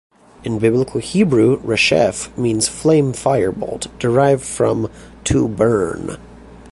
In Biblical Hebrew, "resheph" means "flame, firebolt", derived from "to burn".